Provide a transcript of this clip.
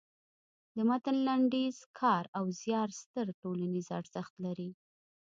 د متن لنډیز کار او زیار ستر ټولنیز ارزښت لري.